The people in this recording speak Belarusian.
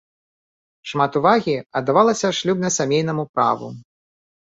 Шмат увагі аддавалася шлюбна-сямейнаму праву.